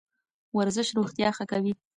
ورزش روغتیا ښه کوي.